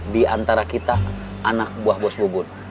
di antara kita anak buah bos bubur